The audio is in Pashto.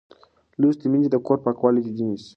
لوستې میندې د کور پاکوالی جدي نیسي.